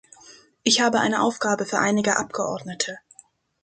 Ich habe eine Aufgabe für einige Abgeordnete.